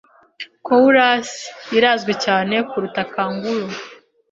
Koalas irazwi cyane kuruta kanguru.